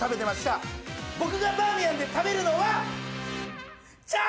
僕がバーミヤンで食べるのは。